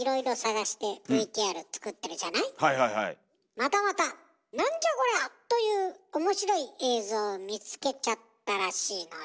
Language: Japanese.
またまた「何じゃこりゃ！」という面白い映像を見つけちゃったらしいのよ。